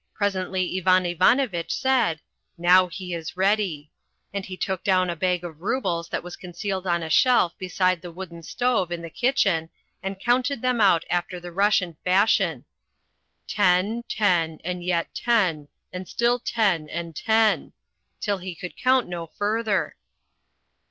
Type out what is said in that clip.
Presently Ivan Ivanovitch said, "Now he is ready," and he took down a bag of rubles that was concealed on a shelf beside the wooden stove in the kitchen and counted them out after the Russian fashion, "Ten, ten, and yet ten, and still ten, and ten," till he could count no further.